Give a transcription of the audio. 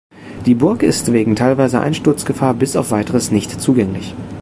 Die Burg ist wegen teilweiser Einsturzgefahr bis auf weiteres nicht zugänglich.